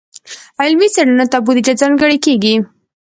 علمي څیړنو ته بودیجه ځانګړې کیږي.